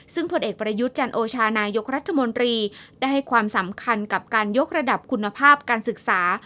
ซึ่งผลเอกประยุทธ์จันโอชานายกรัฐมนตรีได้ให้ความสำคัญกับการยกระดับคุณภาพการศึกษา